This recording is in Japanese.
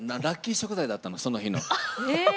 ラッキー食材だったのその日の。